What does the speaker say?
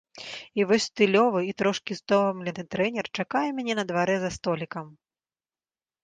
І вось стылёвы і трошкі стомлены трэнер чакае мяне на дварэ за столікам.